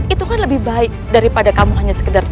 itu kan lebih baik daripada kamu hanya sekedar